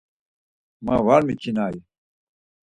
Ma var miçinay.